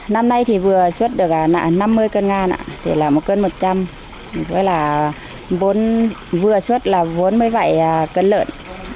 năm nay thì vừa xuất được năm mươi cân ngàn thì là một cân một trăm linh với là vừa xuất là bốn mươi bảy cân lợn